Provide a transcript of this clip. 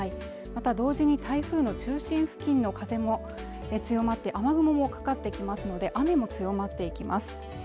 また同時に台風の中心付近の風も強まって雨雲もかかってきますので雨も強まっていきます